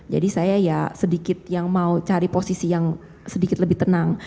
jadi saya ya sedikit yang mau cari posisi yang sedikit lebih tenang